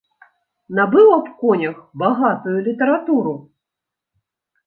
Набыў аб конях багатую літаратуру.